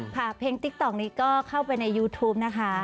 เพลงติ๊กต๊อกนี้ก็เข้าไปในยูทูปนะคะ